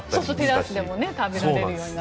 テラスでも食べられるようになって。